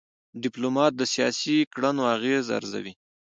ډيپلومات د سیاسي کړنو اغېز ارزوي.